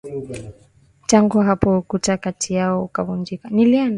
Tangu hapo ukuta kati yao ukavunjika